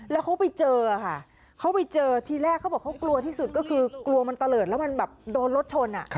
แล้วเขาไปเจอค่ะเขาไปเจอทีแรกเขาบอกเขากลัวที่สุดก็คือกลัวมันตะเลิศแล้วมันแบบโดนรถชน